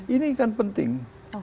ini kan penting